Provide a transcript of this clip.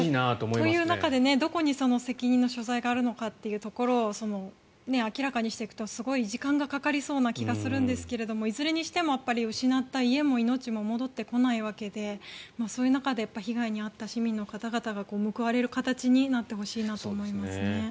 という中でどこに責任の所在があるのかというところを明らかにしていくとすごい時間がかかりそうな気がするんですけどもいずれにしても失った家も命も戻ってこないわけでそういう中で被害に遭った市民の方々が報われる形になってほしいなと思いますね。